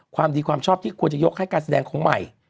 ความดีความชอบที่ควรจะยกให้การแสดงของใหม่